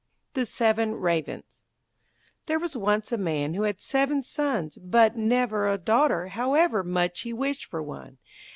The Seven Ravens There was once a Man who had seven sons, but never a daughter, however much he wished for one.